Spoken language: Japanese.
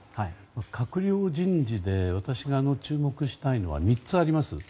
閣僚人事で私が注目したいのは３つあります。